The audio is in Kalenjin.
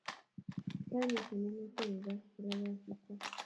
Kaamishe en Nakuru raa kolale asista